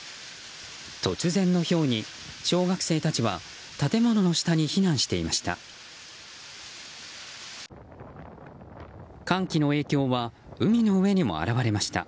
突然のひょうに小学生たちは建物の下に避難してました。